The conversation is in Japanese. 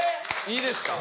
いいですか？